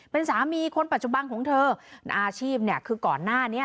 เป็นสามีคนปัจจุบันของเธออาชีพเนี่ยคือก่อนหน้านี้